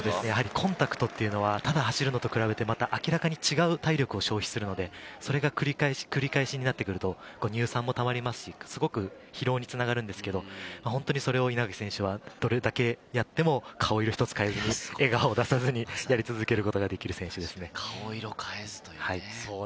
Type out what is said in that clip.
コンタクトっていうのは、ただ走るのとは比べて、明らかに違う体力を消費するので、それが繰り返しになってくると、乳酸もたまりますし、疲労につながるんですけれど、それを稲垣選手はどれだけやっても、顔色一つ変えずに、笑顔を出さずに、やり続けることができる。